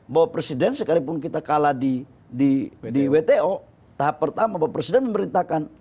bahwa presiden sekalipun kita kalah di wto tahap pertama bapak presiden memerintahkan